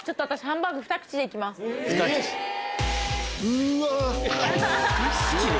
うわ！